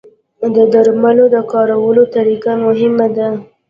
د درملو د کارولو طریقه مهمه ده.